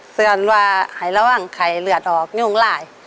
เตือนว่าให้ระวังไข่เลือดออกยุ่งหลาย